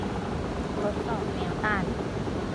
ทดสอบแมวต้าน